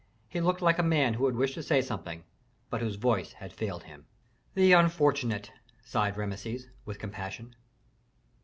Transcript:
He looked like a man who had wished to say something, but whose voice had failed him. "The unfortunate!" sighed Rameses, with compassion.